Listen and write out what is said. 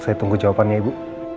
saya tunggu jawabannya ibu